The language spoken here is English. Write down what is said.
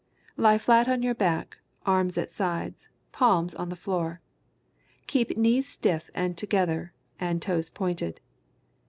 _] Lie flat on your back, arms at sides, palms on floor. Keep knees stiff and together and toes pointed.